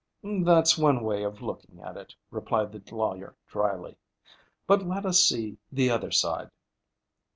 "That's one way of looking at it," replied the lawyer dryly. "But let us see the other side.